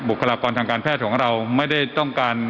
คลากรทางการแพทย์ของเราไม่ได้ต้องการ